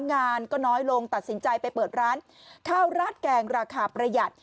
งานก็น้อยลงตัดสินใจไปเปิดร้านข้าวราดแกงราคาประหยัด